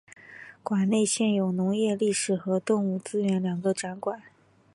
馆内现有农业历史和动物资源两个展馆。